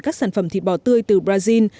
các sản phẩm thịt bò tươi từ brazil